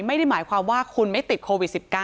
ไม่ได้หมายความว่าคุณไม่ติดโควิด๑๙